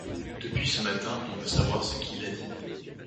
Depuis ce matin on veut savoir ce qu’il a dit.